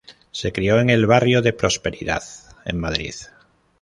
Se crio en el barrio de Prosperidad, en Madrid.